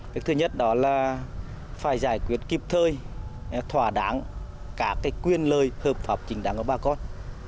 cái thứ nhất đó là phải giải quyết kịp thời thỏa đáng các quyền lợi hợp pháp chính đáng của bà con